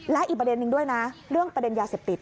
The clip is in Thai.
และอีกประเด็นนึงด้วยนะเรื่องประเด็นยาเสพติด